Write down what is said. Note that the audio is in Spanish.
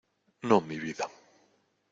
no, mi vida.